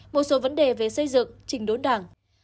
một số vấn đề về xây dựng trình đốn đảng